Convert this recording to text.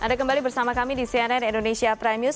anda kembali bersama kami di cnn indonesia prime news